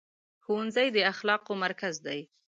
ښوونځی د اخلاقو مرکز دی.